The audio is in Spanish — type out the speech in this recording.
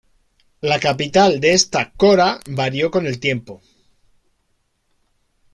La capitalidad de esta "cora" varió con el tiempo.